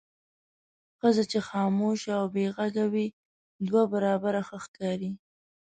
ښځه چې خاموشه او بې غږه وي دوه برابره ښه ښکاري.